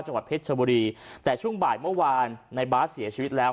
จังหวัดเพชรชบุรีแต่ช่วงบ่ายเมื่อวานในบาสเสียชีวิตแล้ว